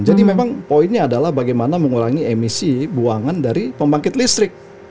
jadi memang poinnya adalah bagaimana mengurangi emisi buangan dari pemakit listrik